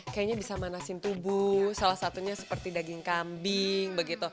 kayaknya bisa manasin tubuh salah satunya seperti daging kambing begitu